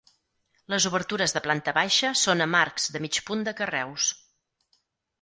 Les obertures de planta baixa són amb arcs de mig punt de carreus.